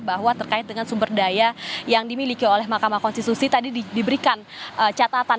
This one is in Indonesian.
bahwa terkait dengan sumber daya yang dimiliki oleh mahkamah konstitusi tadi diberikan catatan